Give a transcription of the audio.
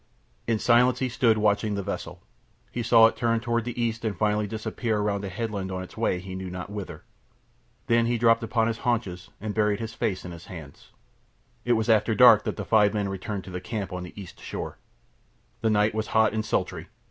In silence he stood watching the vessel. He saw it turn toward the east and finally disappear around a headland on its way he knew not whither. Then he dropped upon his haunches and buried his face in his hands. It was after dark that the five men returned to the camp on the east shore. The night was hot and sultry.